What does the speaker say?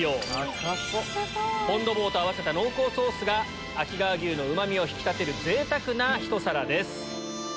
フォン・ド・ボーと合わせた濃厚ソースが秋川牛のうま味を引き立てる贅沢なひと皿です。